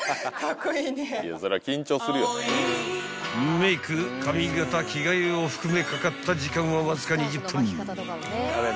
［メーク髪形着替えを含めかかった時間はわずか２０分］